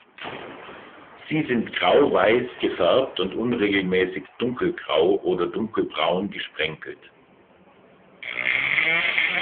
Sie sind grauweiß gefärbt und unregelmäßig dunkelgrau oder dunkelbraun gesprenkelt.